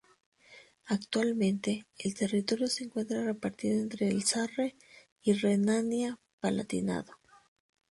Actualmente, el territorio se encuentra repartido entre el Sarre y Renania-Palatinado.